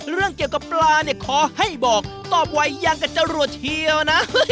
เรื่องเกี่ยวกับปลาขอให้บอกตอบไว้อย่างกับเจ้ารวดเทียวนะ